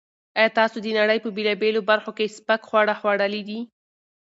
ایا تاسو د نړۍ په بېلابېلو برخو کې سپک خواړه خوړلي دي؟